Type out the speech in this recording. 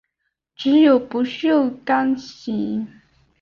只有不锈钢型。